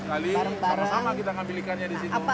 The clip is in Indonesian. sama sama kita mengambil ikannya di situ